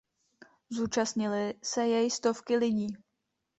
Zúčastnily se jej stovky lidí.